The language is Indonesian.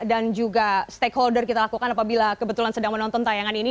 dan juga stakeholder kita lakukan apabila kebetulan sedang menonton tayangan ini